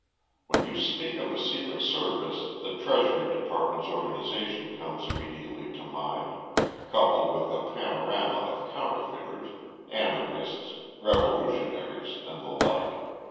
When you speak of the Secret Service, the Treasury Department's organization comes immediately to mind coupled with a panorama of counterfeiters, anarchists, revolutionaries, and the like.